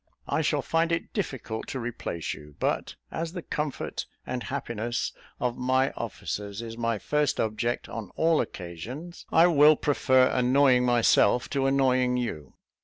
I shall find it difficult to replace you; but as the comfort and happiness of my officers is my first object on all occasions, I will prefer annoying myself to annoying you."